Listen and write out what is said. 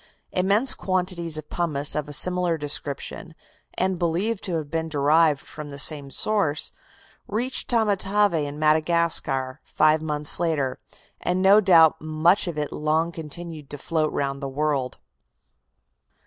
Immense quantities of pumice of a similar description, and believed to have been derived from the same source, reached Tamatave in Madagascar five months later, and no doubt much of it long continued to float round the world.